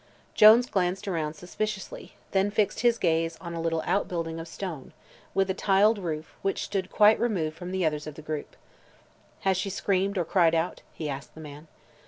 Jones glanced around suspiciously, then fixed his gaze on a little outbuilding of stone, with a tiled roof, which stood quite removed from the others of the group. "Has she screamed, or cried out?" he asked the man.